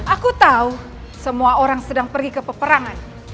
aku tahu semua orang sedang pergi ke peperangan